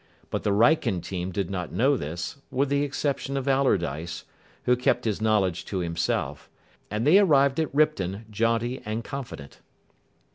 But the Wrykyn team did not know this, with the exception of Allardyce, who kept his knowledge to himself; and they arrived at Ripton jaunty and confident.